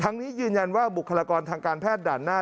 นี้ยืนยันว่าบุคลากรทางการแพทย์ด่านหน้า